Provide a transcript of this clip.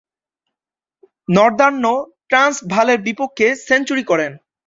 Northern ট্রান্সভালের বিপক্ষে century করেন।